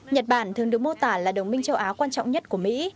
nhật bản thường được mô tả là đồng minh châu á quan trọng nhất của mỹ